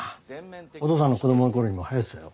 お父さんの子供の頃にもはやってたよ。